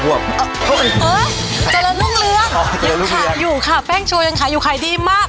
โอ้ยจรรยณร่วงเลือดยังขายอยู่ค่ะแบ้งชัวร์ยังขายอยู่ค่ะใครดีมาก